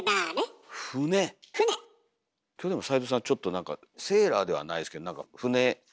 今日齊藤さんちょっとセーラーではないですけどなんか船。